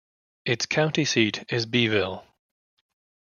Its county seat is Beeville.